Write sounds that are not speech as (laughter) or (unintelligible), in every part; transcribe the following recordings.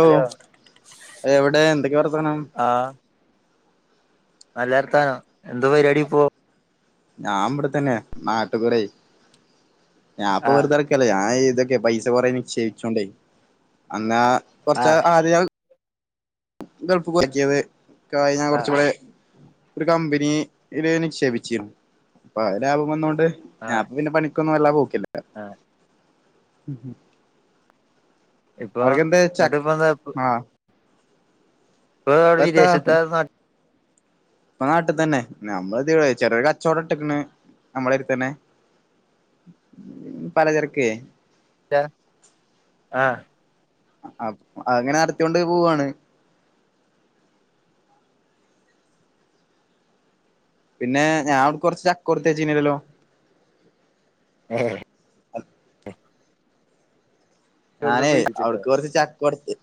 ഓ hello എവിടെ എന്തൊക്കെയാ വർത്താനം ആ നല്ല വർത്താനം എന്ത് പരിപാടി ഇപ്പോ ഞാൻ ഇവടെത്തന്നെ നാട്ടുകുടെയ് ഞാപ്പൊ ആഹ് വെറുതടക്ക ല്ലേ ഞാ ഇതൊക്കെ പൈസ കൊറേ നിക്ഷേപിച്ചോണ്ടേ അന്നാ കുറച്ച ആഹ് ആദ്യ ഗൾഫ് (inaudible) കഴിഞ്ഞ ആഹ് കുറച്ച് കൂടെ ഒരു കമ്പനി യില് നിക്ഷേപിച്ചിരുന്നു അപ്പൊഅത് ലാഭം വന്നൊണ്ട് ഞാ ആഹ് ഇപ്പൊ പിന്നെ പണിക്കൊന്നും വല്ലാ പോക്കില്ല ആഹ് ഇപ്പൊ അവർക്കെന്തെ ഇങ്ങട്ട് ചക്ക് ഇപ്പ എന്താ ആഹ് ഇപ്പ (inaudible) എത്താ വിദേശത്ത നാ ഇപ്പ നാട്ട് തന്നെ നമ്മൾതെവിടെ ചെറിയോരു കച്ചവടം ഇട്ടക്ക്ണ് നമ്മുടെ അട്ത്ത് തന്നെ പലചരക്കെ ച ആഹ് അപ്പ് അങ്ങനെ നടത്തിയൊണ്ട് പോവാണ് പിന്നെ ഞാനാവുട്ക്ക് കുറച്ച് ചക്കോട്ത്തയച്ചീനല്ലോ ഏഹ് എവിടുന്നോ ഞാനേ പോയി അവിടക്ക് കൊറച്ച് ചക്ക കൊടത്ത്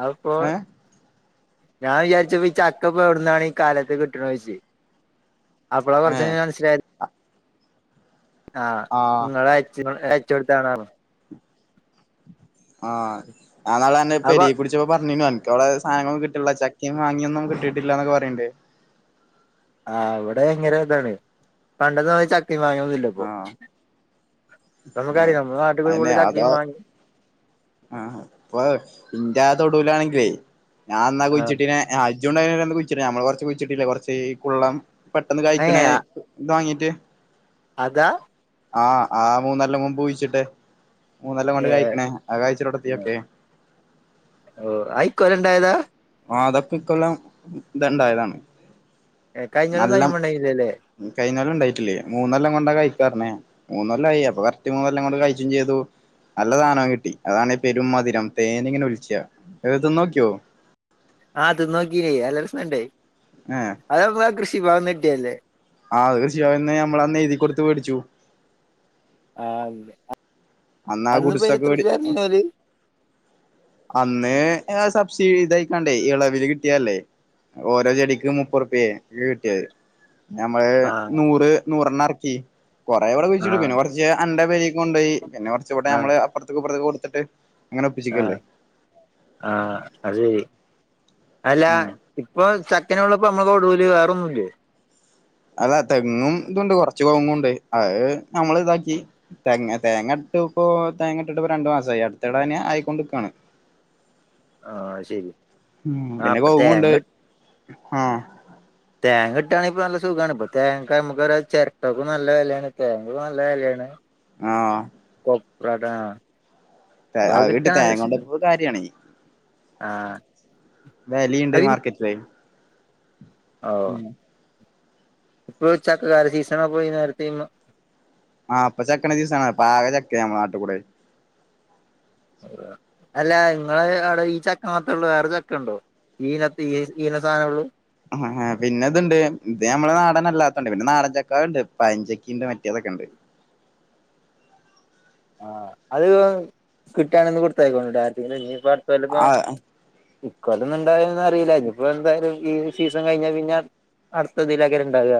അപ്പോ ഞാൻ വിചാരിച് ഈ ചക്കപ്പോ എവിടുന്നാണ് ഈ കാലത്ത് കിട്ടണോയിച്ച് അപ്പളാ ആഹ് കുറച്ചഴിഞ് മനസ്സിലായ ആഹ് ഇങ്ങളയചിനു അയചോട്ത്താണ് പറഞ്ഞു ആഹ് ആ നാളന്നെ അപ്പൊ പെരീക്ക് കുടി ചപ്പോ പറഞ്ഞിരുന്ന് അനക്കവിടെ സാധനങ്ങളോന്നും കിട്ട്ണ്ല്ല ചക്കേം മാങ്ങയൊന്നും കിട്ടിട്ടില്ലാന്ന്ക്കേ പറയ്ണ്ട് ആ ഇവിടെ ഇങ്ങനെ ഇതാണ് പണ്ടത്തെ മാതിരി ചക്കയും മാങ്ങായൊന്നില്ലപ്പൊ ആഹ് ആഹ് നമ്മുക്കറിയ നമ്മൾ നാട്ടിൽ പോയ അതന്നെ ഫുള്ള് അതോ ചക്കേം മങ്ങേമ് ആഹ് ഇപ്പൊ ഇന്റാ തൊടുവിലാണെങ്കിലേ ഞാഅന്നാ ആഹ് കുഴിച്ചിട്ടിനെ ആഹ് ഇജ്ജുൻണ്ടേയ്നല്ലോ കുഴിച്ചിടാൻ നമ്മള് കുറച്ച് കുഴിച്ചിട്ടില്ലേ കുറച്ച് കുള്ളം പെട്ടെന്ന് കഴിക്കണേ ഏഹ് ന്താങ്ങീറ്റ് അതാ ആഹ് ആ മൂന്നൊല്ലം മുൻപ് കുഴിച്ചിട്ടെ. മൂന്നൊല്ലം കൊണ്ട് ഏഹ് കയ്ക്കണേ ആ കഴിച്ചിലൊടത്തിയ ഒക്കെ ഓഹ് അയിക്കൊല്ലണ്ടായതാ. ആഹ് അതൊക്കെ ഇക്കൊല്ലം ഇതാണ്ടായതാണ്. ഏഹ് കയിഞ്ഞൊല്ലൊന്നും അയ്മണ്ടെയ്നിലല്ലേ. കഴിഞ്ഞൊല്ലം ഉണ്ടായിട്ടില്ലേ മൂന്നൊല്ലം കൊണ്ടാ കഴിക്കാറന്നേ മൂന്നൊല്ലായി അപ്പൊ കറക്റ്റ് മൂന്നൊല്ലം ങ്ങോണ്ട് കായ്ച്ചും ചീതു. നല്ല സാധനം കിട്ടി അതാണേ പെരും മധുരം തേനിങ്ങനെ ഒലിച്ച അത് തിന്നോക്കിയോ ആഹ് തിന്നോക്കിയേയ് നല്ല രസണ്ടേയ് ഏഹ് അതമ്മക്ക് ആ കൃഷി ഭവന്ന് കിട്ടിയല്ലേ ആഹ് അത് കൃഷിഭവനിന്ന് നമ്മളന്ന് എഴുതി കൊടുത്ത് വേടിച്ചു. ആഹ് അന്ന് ആ അന്ന്പ്പോ അയിന് ഗുഡ്സൊക്കെ മേടി എത്രറുപ്യ പറഞ്ഞീന്നോല് അന്ന് സബ്സിഡി ഇതായിക്കാണ്ടേയ് എളവില് കിട്ടിയല്ലേ ഓരോ ചെടിക്കും മുപ്പത്റുപ്യേ ക്കെ കിട്ടിയത്. ഞമ്മള് ആ നൂറ് നൂറെണ്ണറക്കി കൊറേ ഇവടെ ആ കുഴിച്ചിട്ടു പിന്നെ കൊറ ജ്ജ് അന്റെ പെരിക്ക് കൊണ്ടോയി പിന്നെ കൊറച്ചിവടെ ആ ഞമ്മള് അപ്പൊറത്ത്ക്ക് ഇപ്പറത്ത്കും കൊടുത്തിട്ട് അങ്ങനെ ഒപ്പിച്ചിക്കല്ലേ. ആഹ് അതെയ് അല്ലാ ഉം ഇപ്പൊ ചക്കനെള്ളൂ ഇപ്പൊ നമ്മളെ തൊടൂല് വേറൊന്നുല്ലേ അല്ല തെങ്ങും ഇതുണ്ട് കൊ റച്ച് കൗങ്ങുംണ്ട് അത് നമ്മള് ഇതാക്കി. തെങ്ങ് തേങ്ങ ഇട്ട്പ്പോ തേങ്ങട്ടിട്ട്പ്പൊ രണ്ടു മാസായി അടുത്തിടെന്നെ ആയിക്കൊണ്ട്ക്കാണ്. ആ ശരി ഉം ആ പിന്നെ ഇപ്പൊ കൗങ്ങുണ്ട് തേങ്ങ ആഹ് തേങ്ങകിട്ടാണെങ്ങിപ്പൊ നല്ല സുഖാണ് ഇപ്പോ തേങ്ങക്ക് നമുക്ക് ചെരട്ടക്കും നല്ല വെലേണ്. തേങ്ങക്കും നല്ല വെലേണ്. ആഹ് കൊപ്രടാ തെ അഹ്ട്ടി തേങ്ങ കൊണ്ട കാര്യണേയ് ആ വെലീണ്ട് മാർക്കറ്റിലെയ്. ഓഹ് ഇപ്പളും ചക്കകാല സീസണ പോയി നേരത്തെ ആഹ്പ്പൊ ചക്കന്റെ സീസണാ ഇപ്പൊ ആകെ ചക്കെ ഞമ്മളെ നാട്ടികൂടെ. അല്ല ഇങ്ങെളവടെ ഈ ചക്ക മാത്രേ ഉള്ളൂ വേറെ ചക്കണ്ടോ ഈനത്തെ ഈ ഈന സാനള്ളു ആഹ് പിന്നെ ഇതുണ്ട് ഇത് നമ്മള നാടനല്ലാത്തണ്ട് പിന്നെ നാടൻ ചക്ക ഉണ്ട് പയഞ്ചക്കിണ്ട് മറ്റേതൊക്കെണ്ട്. ആഹ് അത് കിട്ടാണന്ന് കൊടുത്തായിക്കോണ്ട ആരെര്ത്തേലും ഇന്നിപ്പോ അടുത്തല്ലപ്പോ ആഹ് ഇക്കൊല്ലൊന്നും ണ്ടായന്ന്റീല ഇഞിപ്പോ എന്തായാലും ഈ സീസം കഴിഞ്ഞാ പിന്നെ അടുത്തതിലാക്കാരം ഇണ്ടാക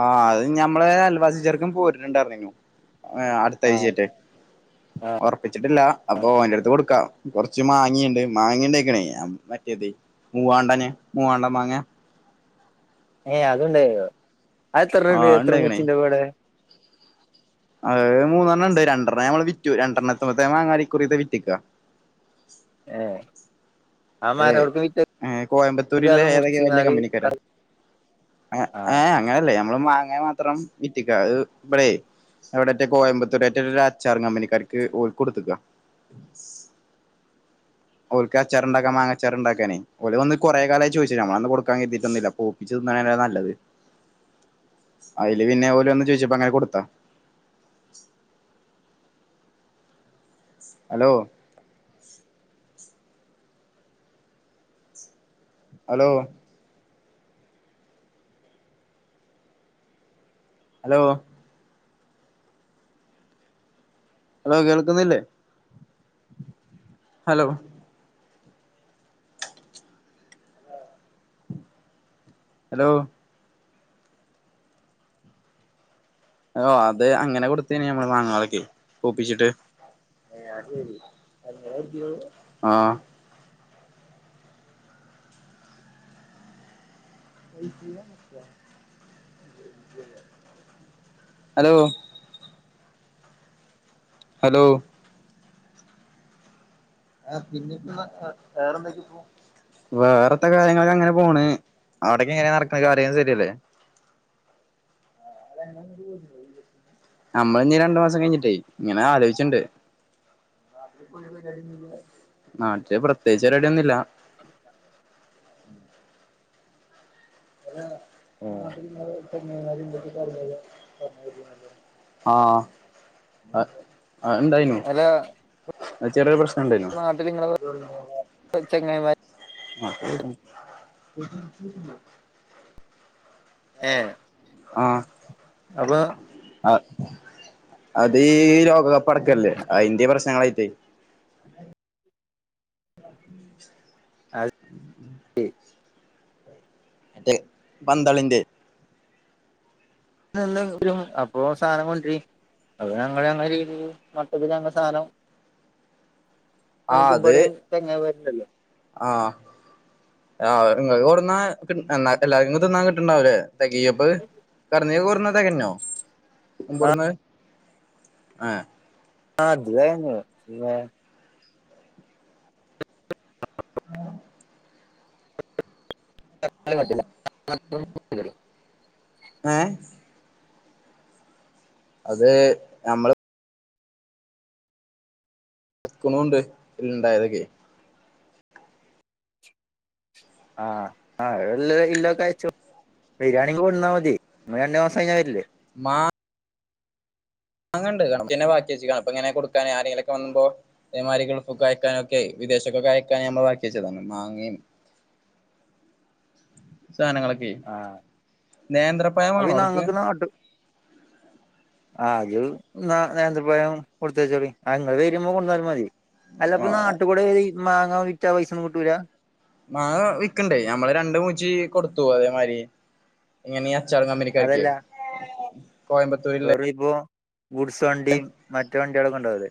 ആഹ് അത് ഞമ്മളെ അൽവാസി ചെർക്കൻ പോര്ണ്ണ്ട്റഞ്ഞീന്നു ഏഹ് ആഹ് അടുത്താഴ്ചേറ്റെ. ഒറപ്പിച്ചിട്ടില്ല. അപ്പൊ ഓന്റെടുത്ത് കൊടുക്കാ. കൊറച്ച് മാങ്ങിണ്ട് മാങ്ങിണ്ടേയ്ക്ക്ണേ അമറ്റേതയ്. മൂവാണ്ടന് മൂവാണ്ടംമാങ്ങ ഏയ് അതുണ്ടായ്ന്നോ ആ അതെത്രണ്ണണ്ട് എത്ര ഉണ്ടായിക്കണേ മൂച്ചിണ്ടും അവടെ. അഹ് മൂന്നെണ്ണണ്ട് രട്രണ്ണം നമ്മള് വിറ്റു രണ്ടെണ്ണത്ത്മ്മത്തെ മാങ്ങ ഇക്കുറിത്തെ വിറ്റ്ക്കാ. (unintelligible) ആ മരം ഏയ് അവിടക്ക് വിറ്റ് ഏഹ കോയമ്പത്തൂരില്യ കൊടുക്കാതെ ഏതൊക്ക വലിയ മുറിച്ചിങ്ങാല് കമ്പനിക്കരാ ആഹ് ഏഹ് അങ്ങനല്ലേ നമ്മള് മാങ്ങ മാത്രം വിറ്റിക്ക അത് ഇപടെയ് എവിടേറ്റെ കോയമ്പത്തൂരേറ്റൊരു അച്ചാറും കമ്പനിക്കാർക്ക് ഓൽക്ക് കൊട്ത്ത്ക്ക. ഓൽക്ക് അച്ചാറ്ണ്ടാക്കാം മാങ്ങച്ചാറ്ണ്ടാക്കാനേയ് ഓല് വന്ന് കൊറേ കാലായി ചോയിച്ച് നമ്മളന്ന് കൊടുക്കാൻ കരുതിട്ടൊന്നില്ല പൂ പ്പിച്ച് തിന്നാണ് നല്ലത്. അയില് പിന്നെ ഓല് വന്ന് ചോയിച്ചപ്പോ അങ്ങനെ കൊടുതാ ഹലോ? ഹലോ? ഹലോ? ഹലോ കേൾക്കുന്നില്ലേ ഹലോ? ഹലോ? ഓ അത് അങ്ങനെ കൊടുത്തേന ഞമ്മള് മാങ്ങാള്ക്കോ പോപ്പിച്ചിട്ട് ഏഹ് അത്‌ ശെരി അങ്ങേനെര്ന്നു ആഹാ (unintelligible) ഹലോ? ഹലോ? ആഹ പിന്നീപ്പാ ആഹാ വേറെന്തൊക്കെ പോ വേറെത്ത കാര്യങ്ങൾക്കങ്ങനെ പോണ്. അവിടൊക്കെ എങ്ങനെ നടക്കണ് കാര്യ ശരിയല്ലേ? (unintelligible) നമ്മള് ജ്ഞി രണ്ടു മാസം കഴിഞ്ഞിട്ടേ ഇങ്ങനെ ആലോയ്ച്ചിണ്ട്. (unintelligible) നാട്ടില് പ്രത്യേകിച്ച്ഒരടിയൊന്നുല്ല (unintelligible) ഏഹ് (unintelligible) ആഹാ ഹ് ആഹ്ണ്ടായിനു അല്ല അഹ ചെറ്യോരു പ്രശ്നം ഇണ്ടായിനു പോ ചെങ്ങയിമാര് (unintelligible) ഏഹ് ആഹ് അപ്പൊ അഹ് അതീ ലോകകപ്പ് ടക്കല്ലേ അയിന്റെ പ്രശ്നങ്ങളായിട്ടേ (unintelligible) അഹ് ടിം മറ്റേ പന്ത്ളിന്റെ ന്ന് അപ്പോ സാധനം കൊണ്ട്രി അ ഞങ്ങ അങ്ങനെ രീതി മട്ടത്തില്ങ്ങസാധനം ആഹ് നമ്ക്ക് അത് ഇപടിം തങ്ങ്യ കൊഴപ്പല്യ ആഹ് ആഹാ ഇങ്ങക് കൊട്ന്നാ കി യന്നാ എല്ലാ തിന്നാ കിട്ട്ണ്ടാവുലേ തകിയപഅ് കടന്നീ കൊട്ന്ന തകഞ്ഞോ മുബോടുന്ന് ആഹേ ആഹ് അത് തയ്ഞ്ഞു വേ (unintelligible) (unintelligible) (unintelligible) അത് ഞമ്മള് ക്കണുണ്ട് ഇണ്ടായതക്കെ ആഹ് ആഹ് എല്ല ഇല്ലൊക്കെ അഴച്ചു വരാണങ്കി കൊണ്ടുന്നാ മതി ഇങ്ങ രണ്ട് മാസം കഴിഞ്ഞ വരില്ലേ മാ മാങ്ങണ്ട് കണ്ക് ബാക്കി വെച്ചക്കാ അപ്പങ്ങനെ കൊടുക്കാന് ആരെങ്കിലൊക്കെ വന്നുമ്പോ ഇതേമാരി ഗൾഫുക്ക് അയക്കാനൊക്കെ വിദേശൊക്കെ യക്കാനെ നമ്മൾ ബാക്കി വെച്ചതാ മാങ്ങേം സാധനങ്ങളൊക്കെ ആഹ് അപ്പൊ നേന്ത്രപയവേണോ ഈ അവിടക്ക് ഞങ്ങക്ക് നാട്ട് (inaudible) ആഹ് ത് ന്നാനേന്തപയം കൊടുത്തയചാളി ആ ങ്ങള്വരുമ്പോ കൊട്ന്നാലും മതി അല്ലപ്പ ആഹ് നാട്ട്കൂടെ ഇ മാങ്ങാ വിറ്റാ പൈസ ഒന്നും കിട്ടൂല? മാങ്ങ വിക്കണ്ട് നമ്മള് രണ്ട് മൂച്ചി കൊടുത്തു അതേമാരി ഇങ്ങനീ അച്ചാർ കമ്പനിക്കാക്കിയോ അതല്ല കോയമ്പത്തൂരിള്ളെ പ്പോ ഗുഡ്സ് വണ്ടി മറ്റെ വണ്ടിയെ കൊണ്ടോവലു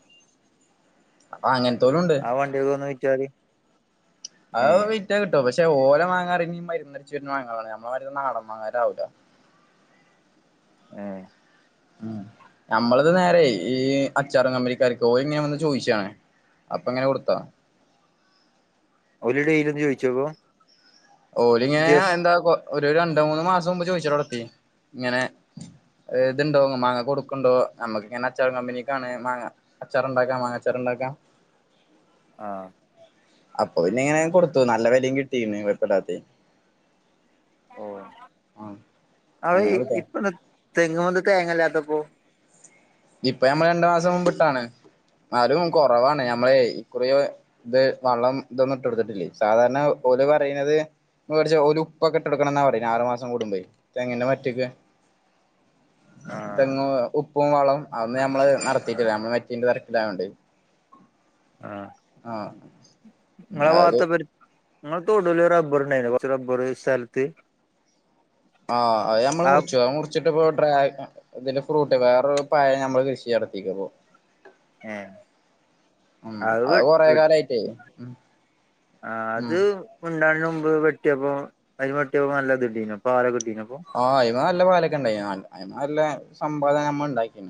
ആഹ് അങ്ങനെത്തോലുണ്ട് ആ വണ്ടിയൊക്കെ ഒന്ന് വിറ്റാല് അഹ് ഏഹ് വി റ്റ കിട്ടോ പക്ഷേ ഓല മാങ്ങാറിഞ്ഞ മരിന്നടിച്ച് വരുന്ന മാങ്ങാളാണ് നമ്മള മാരില്ല നാടൻ മാങ്ങളാവൂല ഏഹ് ഉം നമ്മളത് നേരെ ഈ അച്ചാറ് കമ്പനികാർക്ക്‌ ഓരിങ്ങനെ വന്ന് ചോയിച്ചാണ് അപ്പങ്ങനെ കൊടുത്തോ ഓല് ഡെയിലി വന്ന് ചോദിച്ചോപ്പോ ഓലിങ്ങനെ എന്താപ്പൊ ഒരു രണ്ടോ മൂന്നോ മാസം മുമ്പ് ചോയിച്ച് ട്വടെത്തി ഇങ്ങനെ ഏഹ് തിണ്ടോ മാങ്ങ കൊടുക്കണ്ടോ നമ്മക്കിങ്ങനെ അച്ചാറ് കമ്പനിക്കാണേ മാങ്ങ അച്ചാറ് ഉണ്ടാക്കാ മാങ്ങ അച്ചാറ് ഉണ്ടാക്കാ ആഹ് അപ്പൊ പിന്നെ ഇങ്ങനെങ്ങ് കൊടുത്തു നല്ല വെലേം കിട്ടി പിന്നെ (unintelligible) ഓഹ് ആ അതേ അങ്ങനെ കൊടുത്തു ഇപ്പന്താ തെങ്ങുമെന്താ തേങ്ങല്ലാത്തപ്പോ പ്പ ഞമ്മള് രണ്ടു മാസം മുമ്പിട്ടതാണ് ന്നാലും കൊറവാണ് ഞമ്മളെ ഇക്കുറി ദ് വളം തൊന്നും ഇട്ടൊടുത്തിട്ടില്ലേ സാധാരണ ഓല് പറയനത് വേടിച്ച ഓല് ഉപ്പൊക്കെ ഇട്ടൊടുക്കണന്നാ പറയണേ ആറു മാസം കൂടുമ്പേ തെങ്ങിന്റെ മറ്റക്ക് ആഹ് തെങ്ങ് ഉപ്പും വളവും അതൊന്നും ഞമ്മള് നടത്തിട്ടില്ല നമ്മള് (unintelligible) ആഹ് ആഹ് പിന്നാത് ങ്ങടെ തൊടുല് റബറണ്ടായിന്നില്ലേ കൊർച്ച് റബർ ഓര് സ്ഥൽത്ത് ആഹ് അത് ഞമ്മള് മുറിച്ചുത് മുറ് ച്ചെട്ടിപ്പോ ഡ്രാ തിന്റെ ഫ്രൂട്ട് ' വേറൊരു പയം ഞമ്മള് കഴിച്ച് ഈ അടത്തിക് പ്പൊ ഏഹ് ഉം അത് കൊറെ കാലായിട്ടെ ഉം ആ അത് ഉം ഉൺണ്ടാന് മുമ്പ് വെട്ടിയപ്പോ അയിന്ന് വെട്ടിയപ്പോ നല്ലതിട്ടീനു പാലൊക്ക കിട്ടീനു അപ്പോ ആഹ് അയ്മ നല്ല പാലൊക്കണ്ടായി അയ്മ നല്ല സമ്പാദം നമ്മ ഇണ്ടാക്കി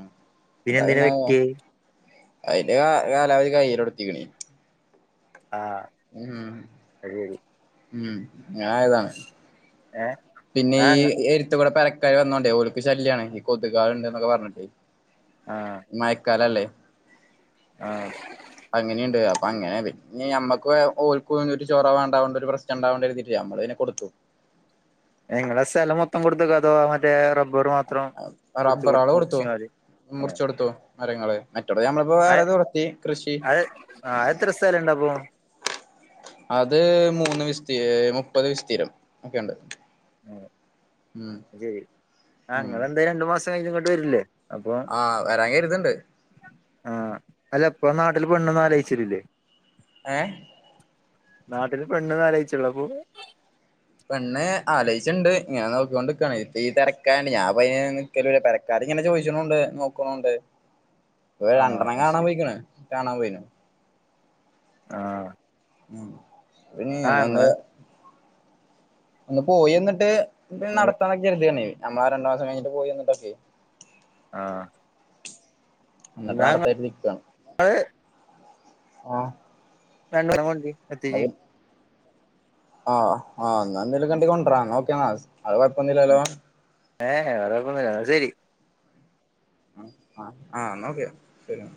പിന്നെ എന്തിനാ (unintelligible) വെട്ടിയേ അയിന്റെ കാ കാലാവധി കൈയിലൊടുത്തിക്കണ് ആഹ് ഉം അത് ശരി ഉം ഞായതാണ് ഏഹ് പിന്നെ ഈ ആഹ് എരുത്തുകുടെ പെരക്കാര് വന്നോണ്ടേ ഒളുക്ക് ശല്യാണ് ഈ കൊതുകാണ്ട് ന്നൊക്ക പറഞ്ഞിട്ട് ആഹ് മയക്കാലല്ലേ ആഹ് അങ്ങൊനിണ്ട് അപ്പ അങ്ങനെ ഞ്ഞി ഞമ്മക്കു ഓൽക്കു ഒന്നുറ്റ് റ വേണ്ടാ പറഞ്ഞിട്ട് ഒരു പ്രശ്നണ്ടാ രിതിട്ട ഞമ്മള് പിന്ന കൊടുത്തു ങ്ങളെ സ്ഥലം മൊത്തം കൊടുത്തക്ക അതോ മറ്റേ റബ്ബറു മാ ആഹ് റബറള് കൊടുത്തു ഏഹ് മുറിച്ചൊടുത്തു മരങ്ങള് മറ്റൊടെ ഞമ്മള് പ്പൊ അത് വേറേ തൊടത്തി കൃഷി അത് ആഹ് എത്ര സ്ഥലണ്ട് അപ്പൊ അത് മൂന്ന് വിസ്ത് മുപ്പത് വിസ്തീരം ഒക്കെ ഉണ്ട് ആഹ് അത് ശരി ആ ഉം ങ്ങളെന്താലും രണ്ടു മാസം കഴിഞ്ഞ ഇങ്ങോട്ട് വരില്ലേ ആഹ് വരാൻ കര്ത്ണ്ട് ആഹ് അല്ല ഇപ്പ നാട്ടില് പെണ്ണൊന്നും ആലോചിച്ചിലില്ലേ ഏഹ് നാട്ടില് പെണ്ണൊന്നും ആലോയിച്ചിണിലെ അപ്പൊ പെണ്ണ് ആലോയിച്ച്ണ്ട് ഞാൻ നോക്കിക്കോണ്ട് നിക്കാണ് ഇപ്പ ഈ തിരക്കായൊണ്ട് ഞാൻ പ്പൊയിനങ്ങ് ക്കലുല്ല പെരക്കാര് ങ്ങനെ ചോദിച്ചുണുണ്ട് നോക്കുണുണ്ട് ഇപ്പ ആ രണ്ടെണ്ണം അത് കാണാൻ ശരി പോയ്ക്കണ് കാണാൻ പോയ്ണ് ആഹ് ഉം പിന്നിങ്ങനെ ഒന്ന് ഒന്ന് പോയി എന്നിട്ട് ന്റേം നടത്താനൊക്കെ കരുതിയതാണ് നമ്മളാ രണ്ട് മാസം കഴിഞ്ഞിട്ട് പോയിവന്ന്ട്ട് ക്കെ ആഹ് ന്നിട്ട് നടത്താകെരുതിക്കാണ് ആഹ് പെങ്ങടെ മോന്റേം അത് (unintelligible) ആഹ് ആഹ് എന്തേലുംകാണ്ടി കൊണ്ടരാ നോക്കാ അത് കുഴപ്പന്നുല്ലല്ലോ ഏഹേ വേറെ കോയപ്പൊന്നുല്യ ന്ന ശരി ആഹ് ആഹ് ആഹ് എന്ന ഒക്കെ ശരി